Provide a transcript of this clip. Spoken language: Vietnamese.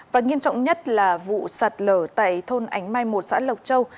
và nghiêm trọng nhất là vụ sạt lở tại thôn ánh mai một xã lộc châu